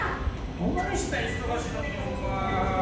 どないしたん忙しい時にホンマ。